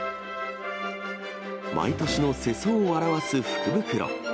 毎年の世相を表す福袋。